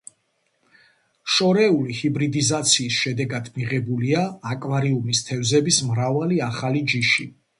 შორეული ჰიბრიდიზაციის შედეგად მიღებულია აკვარიუმის თევზების მრავალი ახალი ჯიში.